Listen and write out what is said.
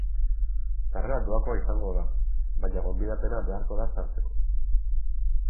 Sarrera doakoa izango da, baina gonbidapena beharko da sartzeko.